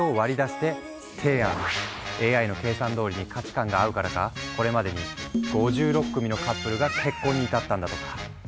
ＡＩの計算どおりに価値観が合うからかこれまでに５６組のカップルが結婚に至ったんだとか。